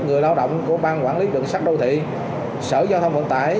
người lao động của bang quản lý đường sắt đô thị sở giao thông vận tải